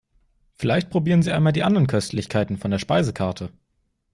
Vielleicht probieren Sie einmal die anderen Köstlichkeiten von der Speisekarte.